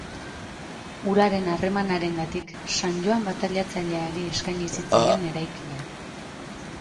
Uraren harremanarengatik, San Joan bataiatzaileari eskaini zitzaion eraikina.